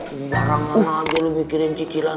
barang barang aja lu mikirin ciciran